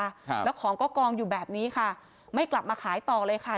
ครับแล้วของก็กองอยู่แบบนี้ค่ะไม่กลับมาขายต่อเลยค่ะ